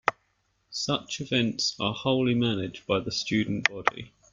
Such events are wholly managed by the student body.